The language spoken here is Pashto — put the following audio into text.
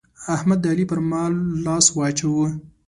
احمد د علي پر مال لاس واچاوو.